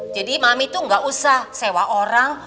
jadi mami tuh gak usah sewa orang